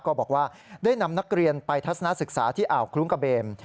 ก็บอกว่าได้นำนักเรียนไปทัศนศึกษาที่อ่าวคลุ้งกระเบม